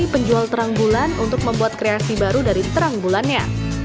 penjual terang bulan untuk membuat kreasi baru dari terang bulannya